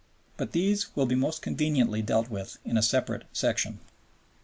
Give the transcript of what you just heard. But these will be most conveniently dealt with in a separate section.